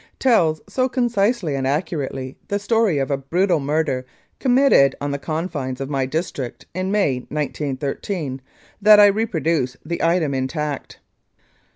tells so concisely and accurately the story of a brutal murder committed on the confines of my district in May, 1913, that I reproduce the item intact.